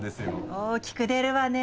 大きく出るわね。